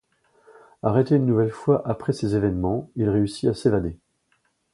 Arrêté une nouvelle fois après ces événements, il réussit à s'évader.